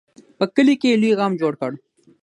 په کلي کې یې لوی غم جوړ کړ.